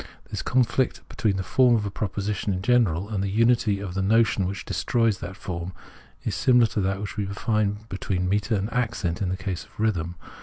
This conflict between the form of a proposition in general and the unity of the notion which destroys that form, is similar to what we find between metre and accent in the case of rhythm.